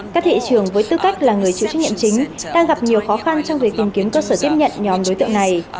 các thị trường với tư cách là người chịu trách nhiệm chính đang gặp nhiều khó khăn trong việc tìm kiếm cơ sở tiếp nhận nhóm đối tượng này